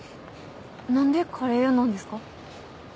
何でカレー屋なんですか？